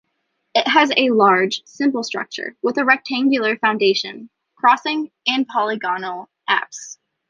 It has a large, simple structure, with a rectangular foundation, crossing, and polygonal apse.